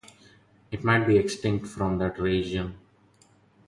It might be extinct from that region.